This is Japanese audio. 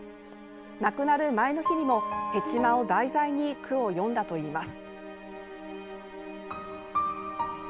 亡くなる前の日にも、へちまを題材に句を詠んだといいます。